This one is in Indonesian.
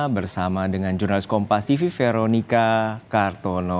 bersama dengan jurnalis kompas tv veronica kartono